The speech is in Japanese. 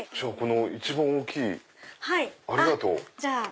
一番大きい「ありがとう」。